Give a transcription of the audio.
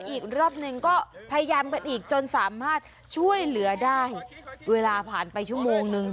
อีกรอบหนึ่งก็พยายามกันอีกจนสามารถช่วยเหลือได้เวลาผ่านไปชั่วโมงนึง